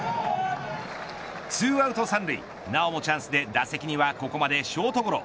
２アウト３塁なおもチャンスで打席にはここまでショートゴロ。